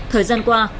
thời gian qua